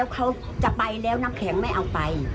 เขาจะไปแล้วน้ำแข็งไม่เอาไป